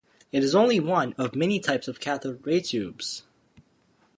It is only one of many types of cathode ray tubes.